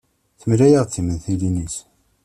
Temlaya-ɣ-d timentilin-is.